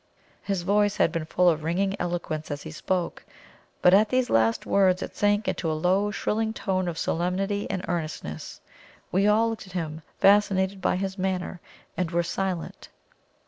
His voice had been full of ringing eloquence as he spoke, but at these last words it sank into a low, thrilling tone of solemnity and earnestness. We all looked at him, fascinated by his manner, and were silent.